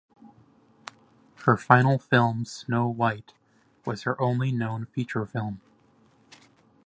Her final film Snow White was her only known feature film.